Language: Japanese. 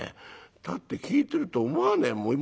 だって聞いてると思わねえもん。